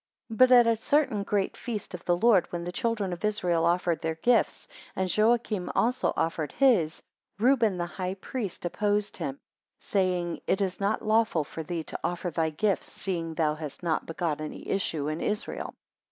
2 But at a certain great feast of the Lord, when the children of Israel offered their gifts, and Joachim also offered his, Reuben the high priest opposed him, saying, it is not lawful for thee to offer thy gifts, seeing thou hast not begot any issue in Israel.